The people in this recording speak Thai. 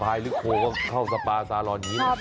คลายเล็บโขบเข้าสปาสาลอนอย่างนี้ไป